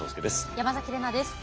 山崎怜奈です。